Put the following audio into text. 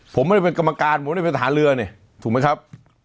ผมไม่ได้เป็นกรรมการผมไม่ได้เป็นทหารเรือนี่ถูกไหมครับ